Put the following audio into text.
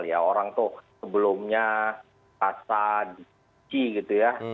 ya orang tuh sebelumnya rasa dicuci gitu ya